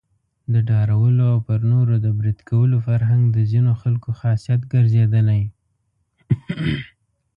د ډارولو او پر نورو د بريد کولو فرهنګ د ځینو خلکو خاصيت ګرځېدلی.